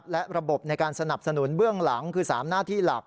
และระบบในการสนับสนุนเบื้องหลังคือ๓หน้าที่หลัก